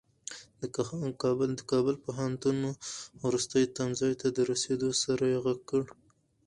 د کابل پوهنتون وروستي تمځای ته د رسېدو سره يې غږ کړ.